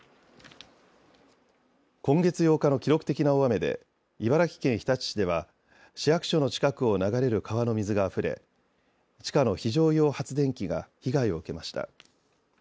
今月８日の記録的な大雨で茨城県日立市では市役所の近くを流れる川の水があふれ地下の非常用発電機が被害を受けました。